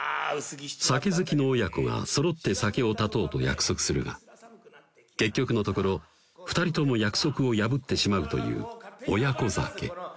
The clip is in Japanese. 酒好きの親子がそろって酒を断とうと約束するが結局のところ２人とも約束を破ってしまうという「親子酒」